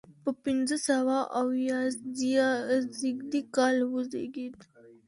په پنځه سوه اویا زیږدي کال وزیږېد.